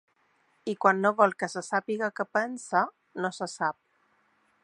I quan no vol que se sàpiga què pensa, no se sap.